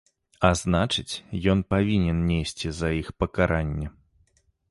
А значыць, ён павінен несці за іх пакаранне.